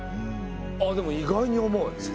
あでも意外に重い。